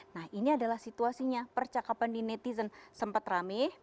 nah ini adalah situasinya percakapan di netizen sempat rame pada jam sebelas